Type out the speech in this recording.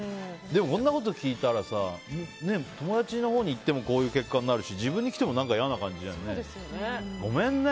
こんなこと聞いたら友達のほうにいってもこういう結果になるし自分に来ても嫌な感じじゃんね。